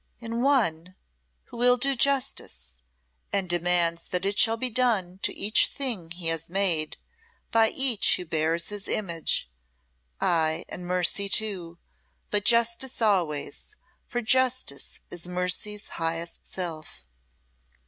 "In One who will do justice, and demands that it shall be done to each thing He has made, by each who bears His image ay, and mercy too but justice always, for justice is mercy's highest self."